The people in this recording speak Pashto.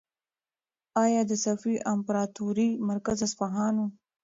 ایا د صفوي امپراطورۍ مرکز اصفهان و؟